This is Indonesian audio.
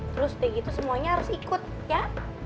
terus udah gitu semuanya harus ikut ya